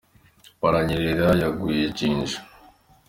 Baranyerera yaguye Jinja.